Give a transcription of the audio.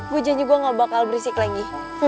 gue janji gue gak bakal berisik lagi